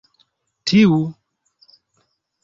Tiu!